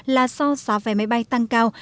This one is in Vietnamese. là do giá về máy bay tăng cao